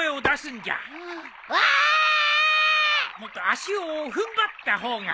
もっと足を踏ん張った方が。